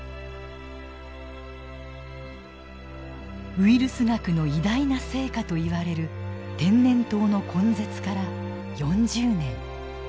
ウイルス学の偉大な成果といわれる天然痘の根絶から４０年。